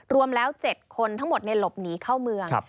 รวมแล้ว๗คนทั้งหมดในหลบหนีเข้าเมือง